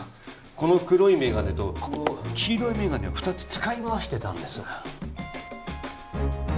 この黒いメガネとこの黄色いメガネを２つ使い回してたんです